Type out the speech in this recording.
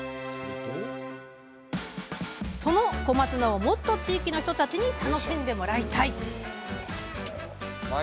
その小松菜をもっと地域の人たちに楽しんでもらいたい！